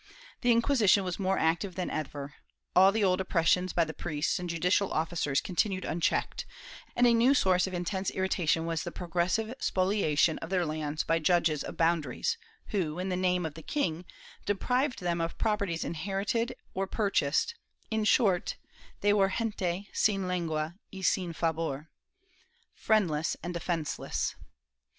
The Inquisition was more active than ever ; all the old oppressions by the priests and judicial officers continued unchecked, and a new source of intense irritation was the progressive spoliation of their lands by "judges of boundaries" who, in the name of the king, deprived them of properties inherited or purchased — in short, they were gente sin lengua y sin fahor — friendless and defenceless.